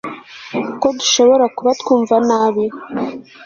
ko dushobora kuba twumva nabi